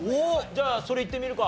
じゃあそれいってみるか。